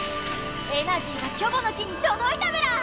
エナジーがキョボの木にとどいたメラ！